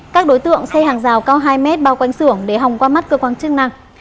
các đối tượng xây hàng rào cao hai mét bao quanh xưởng để hòng qua mắt cơ quan chức năng